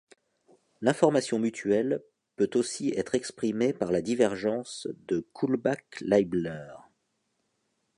L'information mutuelle peut aussi être exprimée par la divergence de Kullback-Leibler.